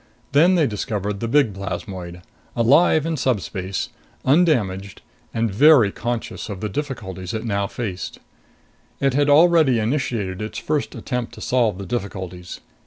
Then they discovered the big plasmoid alive in subspace, undamaged and very conscious of the difficulties it now faced. It had already initiated its first attempt to solve the difficulties.